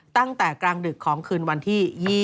ตั้งแต่กลางดึกของคืนวันที่๒๐